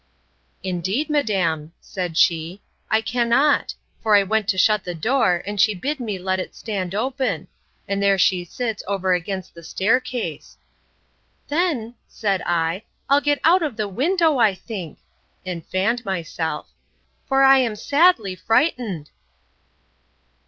—Indeed, madam, said she, I cannot; for I went to shut the door, and she bid me let it stand open; and there she sits over against the staircase. Then, said I, I'll get out of the window, I think!—(And fanned myself;) for I am sadly frightened.